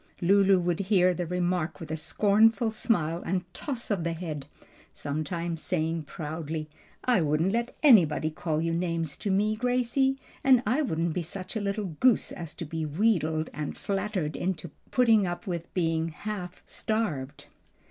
Lulu would hear the remark with a scornful smile and toss of the head, sometimes saying proudly, "I wouldn't let anybody call you names to me, Gracie; and I wouldn't be such a little goose as to be wheedled and flattered into putting up with being half starved."